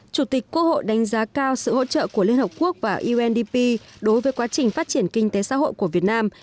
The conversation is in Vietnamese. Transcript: chủ tịch quốc hội đánh giá cao sự hỗ trợ của liên hợp quốc và undp đối với quá trình phát triển kinh tế xã hội của việt nam